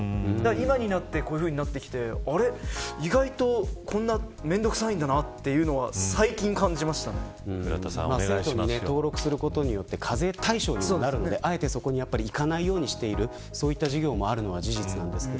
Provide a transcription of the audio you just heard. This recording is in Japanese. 今になってこういうふうになってきて、意外と面倒くさいんだなというのを制度に登録することによって課税対象になるのであえていかないようにしている事業もあるのも事実です。